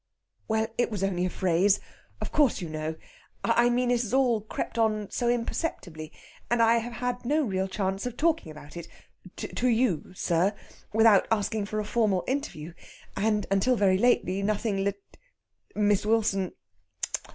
"Well, it was only a phrase. Of course you know. I mean it has all crept on so imperceptibly. And I have had no real chance of talking about it to you, sir without asking for a formal interview. And until very lately nothing Læt Miss Wilson...."